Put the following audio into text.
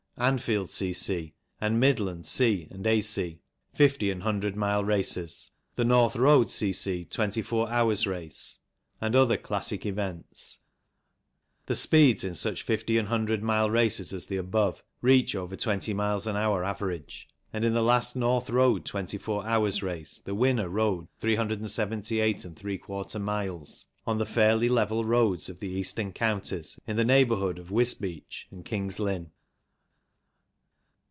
Anfield C.C., and Midland C. and A.C. fifty and hundred mile races ; the North Road C.C. 24 hours race ; and other classic events. The speeds in such fifty and hundred mile races as the above reach over twenty miles an hour average, and in the last North Road 24 hours race the winner rode 378| miles on the fairly level roads of the Eastern counties in the neighbourhood of Wisbech and King's Lynn.